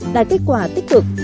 đạt kết quả tích cực